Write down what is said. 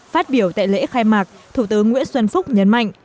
phát biểu tại lễ khai mạc thủ tướng nguyễn xuân phúc nhấn mạnh